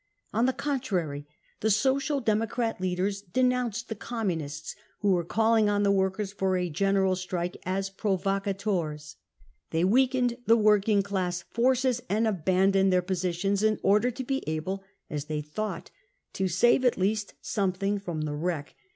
On the contrary, the Social Democrat leaders denounced the Communists, who were calling on the workers for a general strike, as " pro vocators." They weakened the working class forces, and abandoned their positions, in order to be able, as they thought, to save at least something from the wreck.